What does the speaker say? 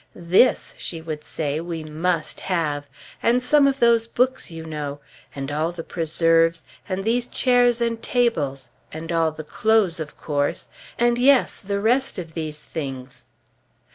"This," she would say, "we must have. And some of these books, you know; and all the preserves, and these chairs and tables, and all the clothes, of course; and yes! the rest of these things."